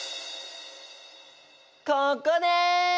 ここです！